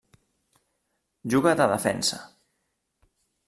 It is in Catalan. Juga de defensa.